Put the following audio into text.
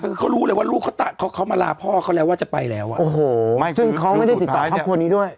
คือเขารู้เลยว่าลูกเขาเขามาลาพ่อเขาแล้วว่าจะไปแล้วอ่ะโอ้โหไม่ซึ่งเขาไม่ได้ติดต่อครอบครัวนี้ด้วย